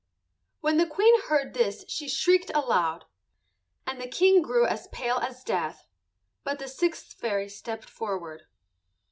When the Queen heard this she shrieked aloud, and the King grew as pale as death. But the sixth fairy stepped forward.